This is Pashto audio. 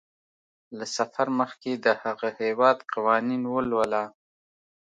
له سفر مخکې د هغه هیواد قوانین ولوله.